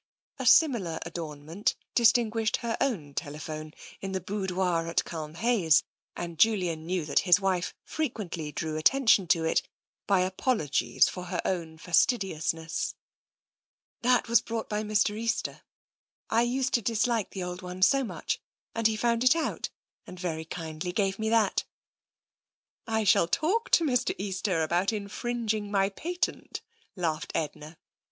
A similar adornment distinguished her own tele phone in the boudoir at Culmhayes, and Julian knew TENSION 53 that his wife frequently drew attention to it by apol ogies for her own fastidiousness. " That was brought by Mr. Easter. I used to dis like the old one so much, and he found it out, and very kindly gave me that." " I shall talk to Mr. Easter about infringing my patent," laughed Edna.